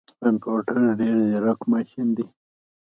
کمپيوټر ډیر ځیرک ماشین دی